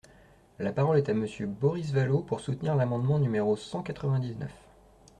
La parole est à Monsieur Boris Vallaud, pour soutenir l’amendement numéro cent quatre-vingt-dix-neuf.